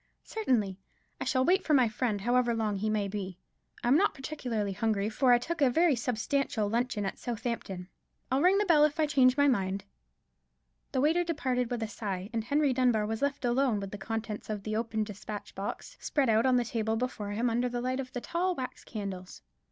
"Certainly; I shall wait for my friend, however long he may be. I'm not particularly hungry, for I took a very substantial luncheon at Southampton. I'll ring the bell if I change my mind." The waiter departed with a sigh; and Henry Dunbar was left alone with the contents of the open despatch box spread out on the table before him under the light of the tall wax candles.